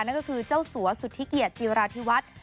นั่นก็คือเจ้าสัวสุธิเกียรติจิราธิวัฒน์